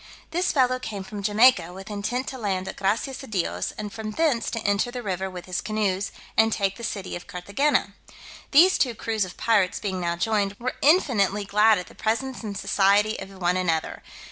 This fellow came from Jamaica, with intent to land at Gracias a Dios, and from thence to enter the river with his canoes, and take the city of Carthagena. These two crews of pirates being now joined, were infinitely glad at the presence and society of one another.